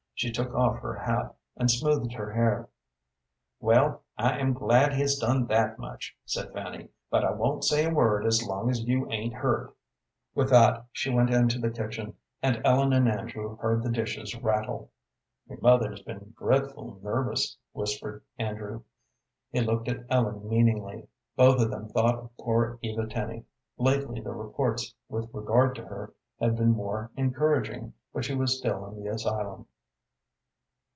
She took off her hat and smoothed her hair. "Well, I am glad he has done that much," said Fanny, "but I won't say a word as long as you ain't hurt." With that she went into the kitchen, and Ellen and Andrew heard the dishes rattle. "Your mother's been dreadful nervous," whispered Andrew. He looked at Ellen meaningly. Both of them thought of poor Eva Tenny. Lately the reports with regard to her had been more encouraging, but she was still in the asylum.